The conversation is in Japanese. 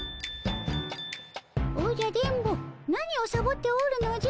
おじゃ電ボ何をサボっておるのじゃ。